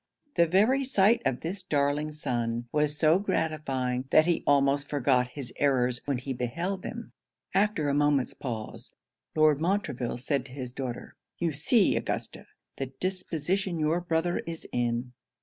The very sight of this darling son, was so gratifying, that he almost forgot his errors when he beheld him. After a moment's pause, Lord Montreville said to his daughter, 'You see, Augusta, the disposition your brother is in.